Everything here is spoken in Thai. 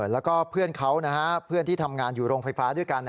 แล้วก็เพื่อนเขานะฮะเพื่อนที่ทำงานอยู่โรงไฟฟ้าด้วยกัน